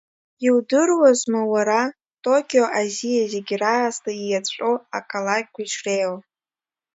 Иудыруазма уара, Токио Азиа зегьы раасҭа ииаҵәоу ақалақьқәа ишреиуоу?